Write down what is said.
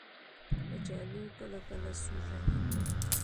کچالو کله کله سور رنګ هم لري